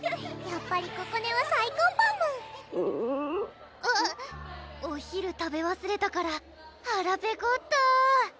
やっぱりここねは最高パムお昼食べわすれたからはらペコった！